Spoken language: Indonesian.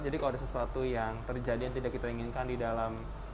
jadi kalau ada sesuatu yang terjadi yang tidak kita inginkan di dalam